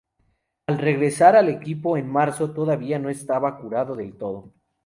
Al regresar al equipo en marzo, todavía no estaba curado del todo.